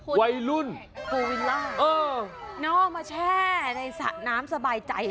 โภวิลล่านอกมาแช่ในน้ำสบายใจเลย